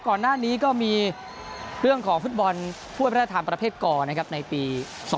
ก่อนหน้านี้ก็มีเรื่องของฝุ่นบอลผู้ไพรธรรมประเภทกรนะครับในปี๒๕๓